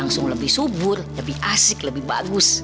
langsung lebih subur lebih asik lebih bagus